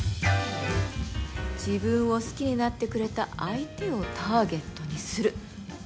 自分を好きになってくれた相手をターゲットにする。